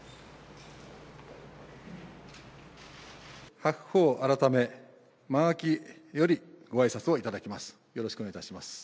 白鵬改め間垣よりごあいさつをいただきます。